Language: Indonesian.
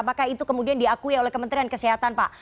apakah itu kemudian diakui oleh kementerian kesehatan pak